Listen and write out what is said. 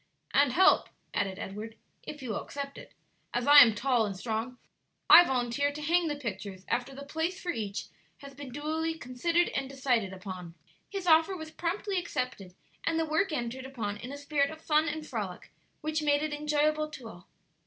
"And help," added Edward, "if you will accept it. As I am tall and strong, I volunteer to hang the pictures after the place for each has been duly considered and decided upon." His offer was promptly accepted, and the work entered upon in a spirit of fun and frolic, which made it enjoyable to all.